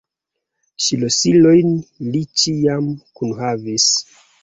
Ŝlosilojn li ĉiam kunhavis.